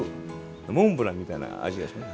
モンブランみたいな味です。